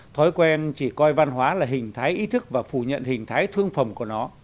thói quen chỉ coi văn hóa là hình thái ý thức và phủ nhận hình thái thương phẩm của nó